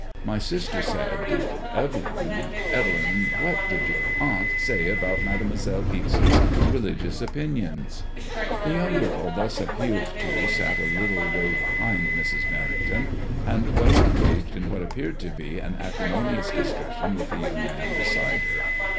My sister said Evelyn, Evelyn, what did your aunt say about Mademoiselle Ixe's re ligious opinions ?" The young girl thus appealed r\ HADEMOISSLLK IXS. to sat a little way behind Mrs. Merrington, and was engaged in what appeared to be an acri monious discussion with the young man beside her.